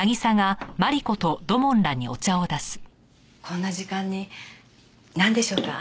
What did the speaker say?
こんな時間になんでしょうか？